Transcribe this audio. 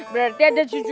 berarti ada susu atu